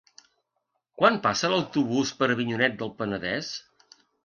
Quan passa l'autobús per Avinyonet del Penedès?